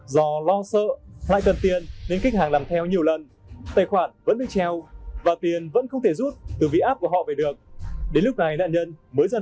do lo sợ lại cần tiền nên khách hàng làm theo nhiều lần tài khoản vẫn bị treo và tiền vẫn không thể rút từ vị app của họ về được